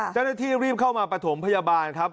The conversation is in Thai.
เจ้าหน้าที่รีบเข้ามาประถมพยาบาลครับ